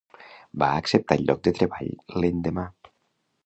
Va acceptar el lloc de treball l'endemà.